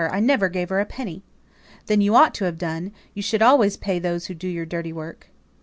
I never gave her a penny." "Then you ought to have done. You should always pay those who do your dirty work."